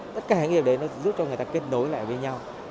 tất cả những điều đấy nó giúp cho người ta kết nối lại với nhau